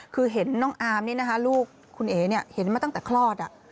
คือเห็นน้องอาร์มนี่นะคะลูกคุณเอ๋เห็นมาตั้งแต่คลอด